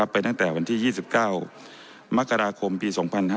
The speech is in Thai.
ไปตั้งแต่วันที่๒๙มกราคมปี๒๕๕๙